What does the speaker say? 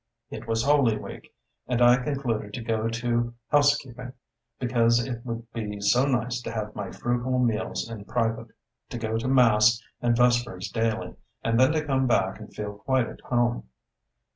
It was Holy Week, and I concluded to go to housekeeping, because it would be so nice to have my frugal meals in private, to go to mass and vespers daily, and then to come back and feel quite at home.